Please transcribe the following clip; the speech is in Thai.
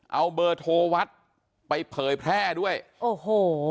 เอาเบอร์โทรวัดไปเผยแพร่ด้วยโอ้โห